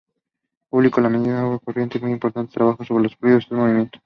Publicó "La medida de agua corriente", un importante trabajo sobre los fluidos en movimiento.